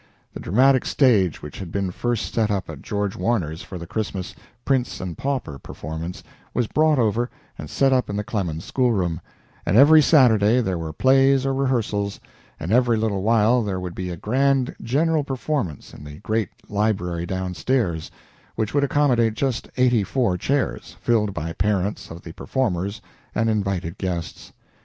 The dramatic stage which had been first set up at George Warner's for the Christmas "Prince and Pauper" performance was brought over and set up in the Clemens schoolroom, and every Saturday there were plays or rehearsals, and every little while there would be a grand general performance in the great library downstairs, which would accommodate just eighty four chairs, filled by parents of the performers and invited guests.